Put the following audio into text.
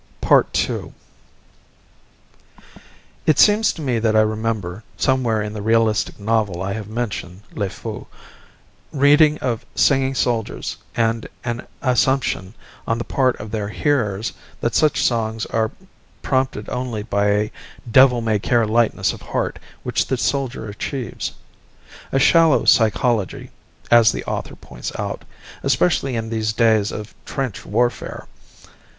II It seems to me that I remember, somewhere in the realistic novel I have mentioned "Le Feu" reading of singing soldiers, and an assumption on the part of their hearers that such songs are prompted only by a devil may care lightness of heart which the soldier achieves. A shallow psychology (as the author points out), especially in these days of trench warfare!